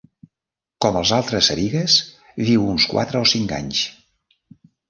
Com les altres sarigues, viu uns quatre o cinc anys.